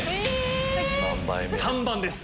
３番です。